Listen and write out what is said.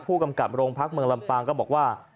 ผู้กำกับโรงพักเมืองลำปางก็บอกว่า